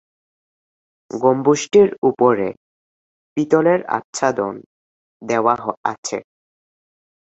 গম্বুজটির উপরে পিতলের আচ্ছাদন দেওয়া আছে।